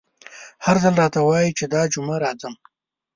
هر ځل راته وايي چې دا جمعه راځم….